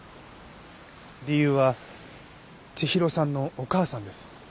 理由は千尋さんのお母さんです。